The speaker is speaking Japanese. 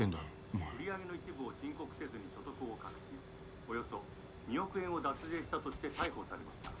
「売り上げの一部を申告せずに所得を隠しおよそ２億円を脱税したとして逮捕されました。